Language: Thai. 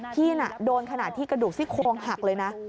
พี่น่ะโดนขนาดที่กระดูกซี่โครงหักเลยนะ